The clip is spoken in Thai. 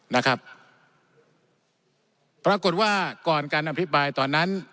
นะครับปรากฏว่าก่อนการอภิปรายตอนนั้น